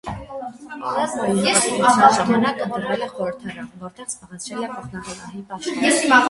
Պալերմոյի հեղափոխության ժամանակ ընտրվել է խորհրդարան, որտեղ զբաղեցրել է փոխնախագահի պաշտոնը։